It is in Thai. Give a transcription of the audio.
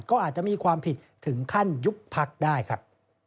ก็อาจจะมีความผิดถึงขั้นยุบพักได้ครับ